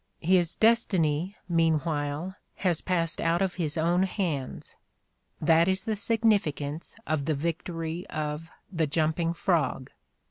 His destiny, mean while, has passed out of his own hands: that is the significance of the "victory" of "The Jumping Frog."